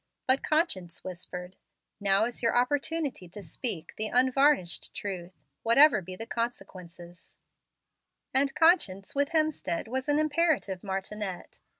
But conscience whispered, "Now is your opportunity to speak the 'unvarnished truth,' whatever be the consequences"; and conscience with Hemstead was an imperative martinet.